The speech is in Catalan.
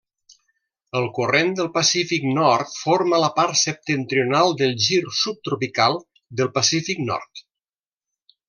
El corrent del Pacífic Nord forma la part septentrional del gir subtropical del Pacífic Nord.